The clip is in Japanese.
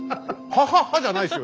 ハハハじゃないですよ